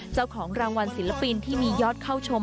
เจ้าของรางวัลศิลปินที่มียอดเข้าชม